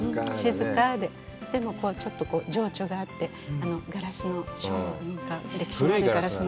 静かで、でもちょっと情緒があって、ガラスの歴史のあるガラスの。